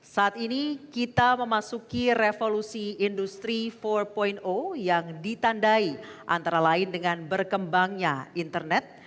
saat ini kita memasuki revolusi industri empat yang ditandai antara lain dengan berkembangnya internet